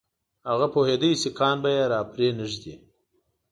هغه پوهېدی سیکهان به یې را پرې نه ږدي.